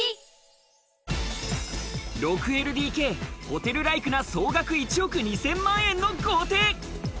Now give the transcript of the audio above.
６ＬＤＫ、ホテルライクな総額１億２千万円の豪邸。